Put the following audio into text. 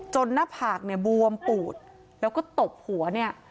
หน้าผากเนี่ยบวมปูดแล้วก็ตบหัวเนี่ย